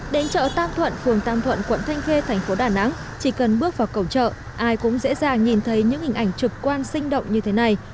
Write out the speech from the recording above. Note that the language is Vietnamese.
đến chợ tam thuận phường tam thuận quận thanh khê thành phố đà nẵng chỉ cần bước vào cổng chợ ai cũng dễ dàng nhìn thấy những hình ảnh trực quan sinh động như thế này